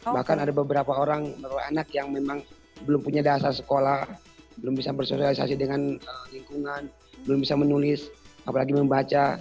bahkan ada beberapa orang anak yang memang belum punya dasar sekolah belum bisa bersosialisasi dengan lingkungan belum bisa menulis apalagi membaca